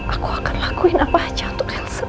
aku akan lakuin apa aja untuk elsa